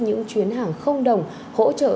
những chuyến hàng không đồng hỗ trợ